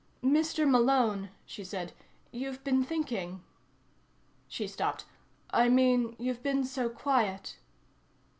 "Mr. Malone," she said. "You've been thinking." She stopped. "I mean, you've been so quiet."